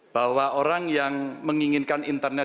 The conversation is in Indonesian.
bahwa orang yang menginginkan internet